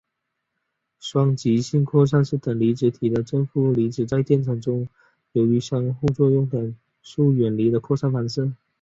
双极性扩散是等离子体的正负粒子在电场中由于相互作用等速远离的扩散方式。